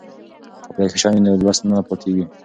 که اپلیکیشن وي نو لوست نه پاتیږي.